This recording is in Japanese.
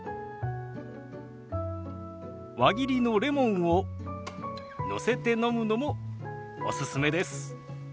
輪切りのレモンをのせて飲むのもおすすめです。